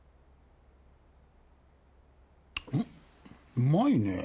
うまいねぇ。